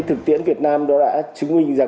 thực tiễn việt nam đã chứng minh